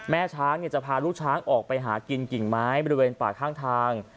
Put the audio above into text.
ช้างจะพาลูกช้างออกไปหากินกิ่งไม้บริเวณป่าข้างทาง